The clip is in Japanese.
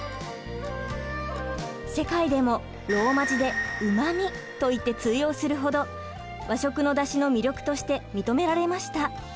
世界でもローマ字で「Ｕｍａｍｉ」と言って通用するほど和食のだしの魅力として認められました。